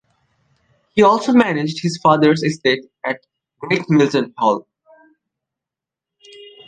He also managed his father's estate at Great Melton Hall.